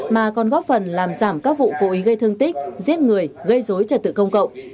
mà còn góp phần làm giảm các vụ cố ý gây thương tích giết người gây dối trật tự công cộng